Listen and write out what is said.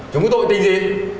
chúng có tội tình gì